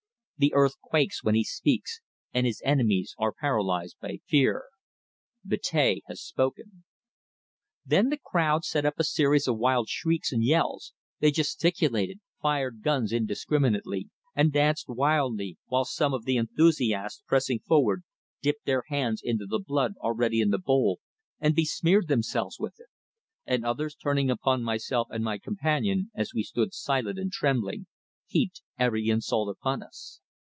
The earth quakes when he speaks, and his enemies are paralysed by fear. Betea has spoken." Then the crowd set up a series of wild shrieks and yells, they gesticulated, fired guns indiscriminately, and danced wildly, while some of the enthusiasts pressing forward, dipped their hands into the blood already in the bowl, and besmeared themselves with it; and others, turning upon myself and my companion as we stood silent and trembling, heaped every insult upon us.